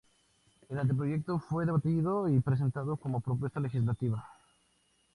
El anteproyecto fue debatido y presentado como propuesta legislativa.